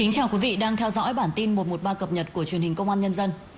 chào mừng quý vị đến với bản tin một trăm một mươi ba cập nhật của truyền hình công an nhân dân